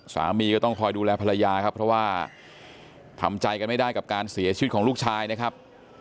สามีก็ต้องคอยดูแลภรรยาครับเพราะว่าทำใจกันไม่ได้กับการเสียชีวิตของลูกชายนะครับ